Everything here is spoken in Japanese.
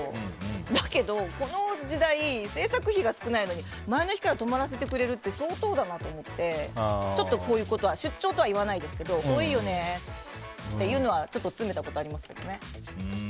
だけど、この時代製作費が少ないので、前の日から泊まらせてくれるって相当だなと思ってちょっとこういうことは出張とは言いませんが多いよねっていうのは詰めたことありますけどね。